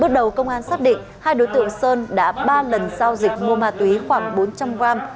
bước đầu công an xác định hai đối tượng sơn đã ba lần giao dịch mua ma túy khoảng bốn trăm linh gram